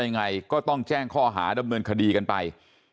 กับไหนก็ได้ยังไงก็ต้องแจ้งข้อหาดำเนินคดีกันไป